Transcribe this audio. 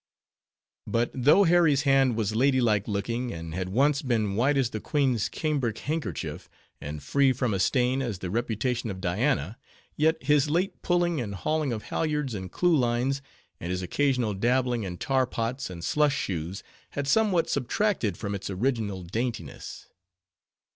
But though Harry's hand was lady like looking, and had once been white as the queen's cambric handkerchief, and free from a stain as the reputation of Diana; yet, his late pulling and hauling of halyards and clew lines, and his occasional dabbling in tar pots and slush shoes, had somewhat subtracted from its original daintiness.